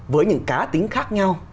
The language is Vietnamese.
với những cá tính khác nhau